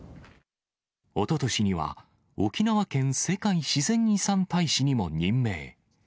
おととしには、沖縄県世界自然遺産大使にも任命。